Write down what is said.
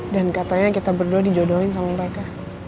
dan katanya kita berdua dijodohin sama mereka